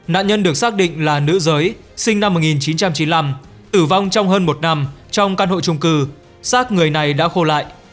nạn nhân được xác định là nữ giới sinh năm một nghìn chín trăm chín mươi năm tử vong trong hơn một năm trong căn hộ trung cư sát người này đã khô lại